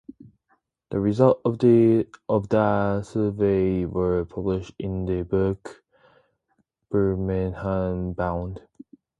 The results of that survey were published in the book "Birmingham Bound".